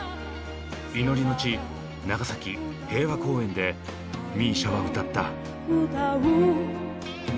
祈りの地長崎平和公園でＭＩＳＩＡは歌った。